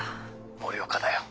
森岡だよ。